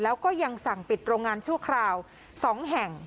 แล้วก็ยังสั่งปิดโรงงานชั่วคราว๒แห่ง